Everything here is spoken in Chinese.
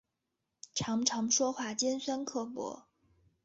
常常说话尖酸刻薄